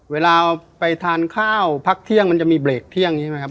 เวลาไปทานข้าวพักเที่ยงมันจะมีเบรกเที่ยงใช่ไหมครับ